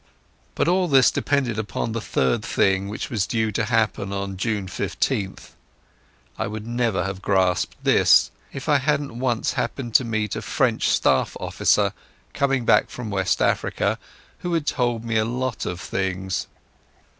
But all this depended upon the third thing, which was due to happen on June 15th. I would never have grasped this if I hadn't once happened to meet a French staff officer, coming back from West Africa, who had told me a lot of things.